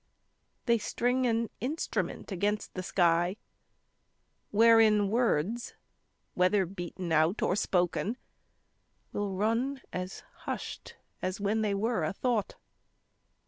They string an instrument against the sky Wherein words whether beaten out or spoken Will run as hushed as when they were a thought.